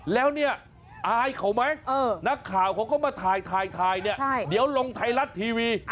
แล้วเนี่ยอายเขาไหมนักข่าวเขาก็มาถ่ายเนี่ยเดี๋ยวลงไทยรัฐทีวี